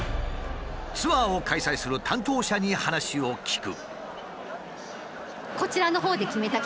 ツアーを開催する担当者に話を聞く。